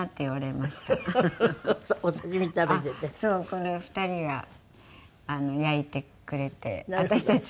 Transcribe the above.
これ２人が焼いてくれて私たちは。